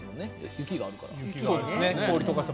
雪があるから。